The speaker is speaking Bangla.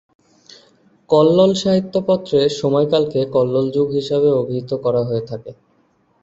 কল্লোল সাহিত্য পত্রের সময়কালকে কল্লোল যুগ হিসাবে অভিহিত করা হয়ে থাকে।